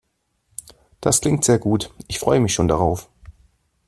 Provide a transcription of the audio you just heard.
Das klingt sehr gut. Ich freue mich schon darauf.